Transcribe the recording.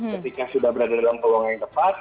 ketika sudah berada dalam peluang yang tepat